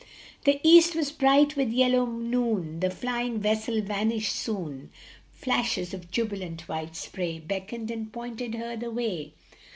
The east was bright with yellow noon, The flying vessel vanished soon. Flashes of jubilant white spray Beckoned and pointed her the way.